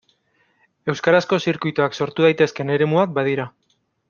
Euskarazko zirkuituak sortu daitezkeen eremuak badira.